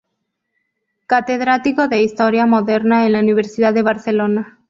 Catedrático de Historia Moderna en la Universidad de Barcelona.